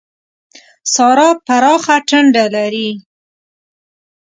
سارا پراخه ټنډه لري.